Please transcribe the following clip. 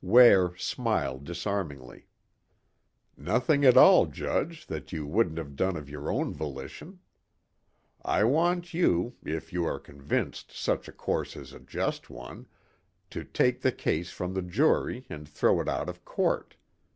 Ware smiled disarmingly. "Nothing at all, Judge, that you wouldn't have done of your own volition. I want you, if you are convinced such a course is a just one, to take the case from the jury and throw it out of court.